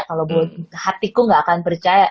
kalau buat hatiku gak akan percaya